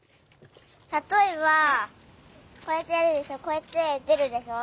たとえばこうやってやるでしょこうやってでるでしょ？